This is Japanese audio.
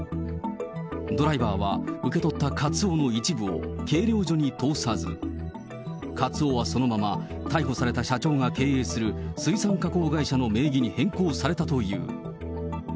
ドライバーは受け取ったカツオの一部を計量所に通さず、カツオはそのまま、逮捕された社長が経営する水産加工会社の名義に変更されたという。